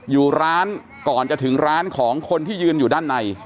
อยู่ร้านก่อนจะถึงร้านของคนที่ยืนอยู่ด้านใน